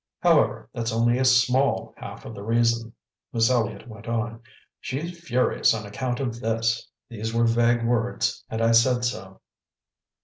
"However, that's only a SMALL half of the reason," Miss Elliott went on. "She's furious on account of this." These were vague words, and I said so.